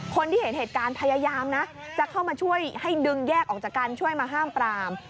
คนที่เห็นเหตุการณ์พยายามนะจะเข้ามาช่วยให้ดึงแยกออกจากกันช่วยมาห้ามปราม